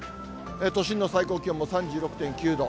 都心の最高気温も３６．９度。